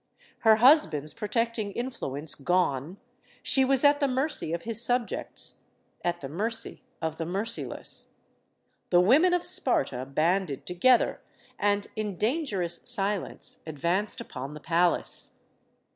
Her husband's protecting influence gone, she was at the mercy of his subjects; at the mercy of the merciless. The women of Sparta banded together and, in dangerous silence, advanced upon the palace.